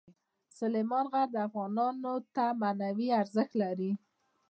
سلیمان غر افغانانو ته معنوي ارزښت لري.